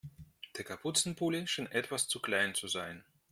Der Kapuzenpulli schien etwas zu klein zu sein.